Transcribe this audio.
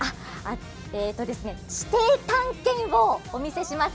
地底探検をお見せします。